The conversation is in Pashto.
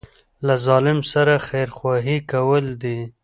له ظالم سره خیرخواهي کول دي.